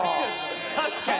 確かに。